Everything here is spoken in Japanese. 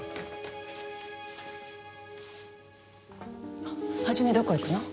あっ元どこ行くの？